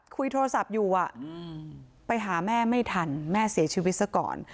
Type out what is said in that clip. คุยโทรศัพท์อยู่ไปหาแม่ไม่ทันแม่เสียชีวิตซะก่อน